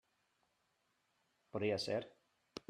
Podia ser.